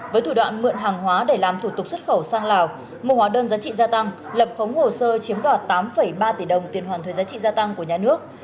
với thủ đoạn mượn hàng hóa để làm thủ tục xuất khẩu sang lào mua hóa đơn giá trị gia tăng lập khống hồ sơ chiếm đoạt tám ba tỷ đồng tiền hoàn thuế giá trị gia tăng của nhà nước